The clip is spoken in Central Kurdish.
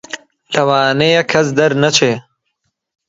لەوانەیە کەس دەرنەچێ